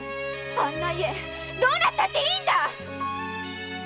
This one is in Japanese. あんな家どうなったっていいんだ‼